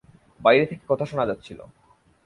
বাইরে থেকে কথা শোনা যাচ্ছিল।